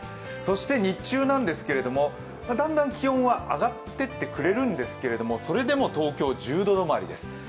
そして日中なんですけれども、だんだん気温は上がっていってくれるんですけれども、それでも東京１０度止まりです。